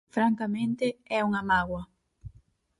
Francamente, é unha mágoa.